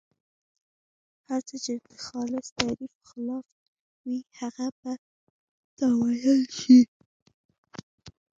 هر څه چې د خالص تعریف خلاف وي هغه به تاویل شي.